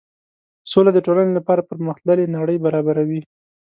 سوله د ټولنې لپاره پرمخ تللې نړۍ برابروي.